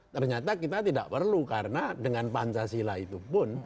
ternyata kita tidak perlu karena dengan pancasila itu pun